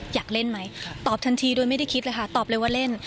อยากเล่นไหมตอบทันทีโดยไม่ได้คิดเลยค่ะตอบเลยว่าเล่น